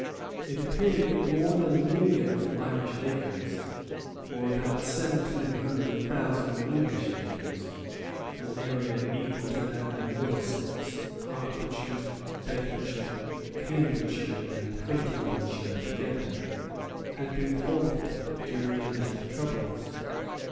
It appeared that more than a million of Irish acres, or about seventeen hundred thousand English acres, an area equal to that of Middlesex, Hertfordshire, Bedfordshire, Cambridgeshire, and Huntingdonshire together, had been forfeited during the late troubles.